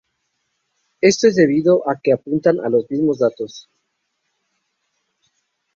Esto es debido a que apuntan a los mismos datos.